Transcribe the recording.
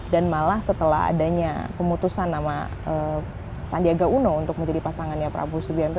dan malah setelah adanya keputusan sama sandiaga uno untuk menjadi pasangannya prabowo sibiranto